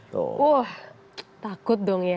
wah takut dong ya